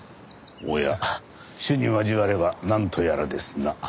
おや朱に交わればなんとやらですな。